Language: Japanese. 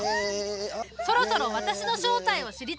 そろそろ私の正体を知りたいだろ？